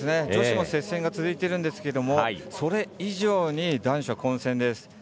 女子も接戦が続いているんですけどそれ以上に男子は混戦です。